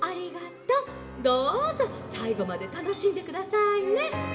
どうぞさいごまでたのしんでくださいね！